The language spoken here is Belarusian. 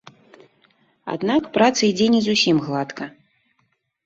Аднак праца ідзе не зусім гладка.